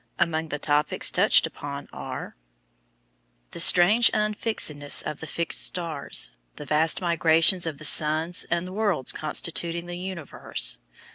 Among the topics touched upon are: The strange unfixedness of the "fixed stars," the vast migrations of the suns and worlds constituting the universe.